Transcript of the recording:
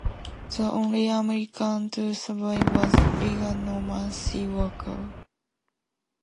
The only American to survive was Rigger Norman C. Walker.